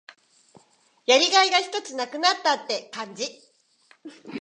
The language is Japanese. やりがいがひとつ無くなったって感じ。